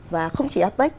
và không chỉ apec